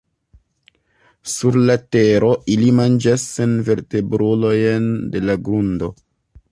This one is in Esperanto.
Sur la tero ili manĝas senvertebrulojn de la grundo.